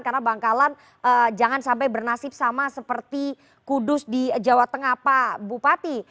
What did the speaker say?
karena bangkalan jangan sampai bernasib sama seperti kudus di jawa tengah pak bupati